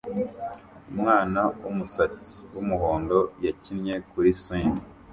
Umwana wumusatsi wumuhondo yakinnye kuri swing